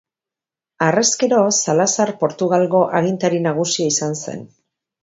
Harrezkero, Salazar Portugalgo agintari nagusia izan zen.